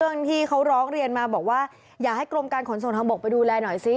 เรื่องที่เขาร้องเรียนมาบอกว่าอยากให้กรมการขนส่งทางบกไปดูแลหน่อยซิ